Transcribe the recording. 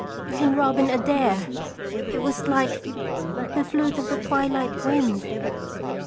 In 'Robin Adair' it was like <the flute of the twilight wind.'